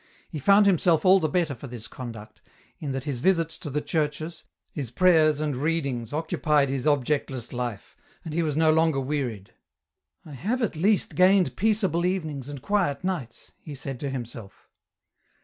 He found himself all the better for this conduct, in that his visits to the churches, his prayers and readings occupied his objectless life, and he was no longer wearied. " I have at least gained peaceable evenings and quiet nights," he said to himself.